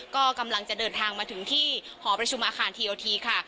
ก็กำลังจะเดินทางมาถึงที่หอประชุมอาคารทีโอทีค่ะ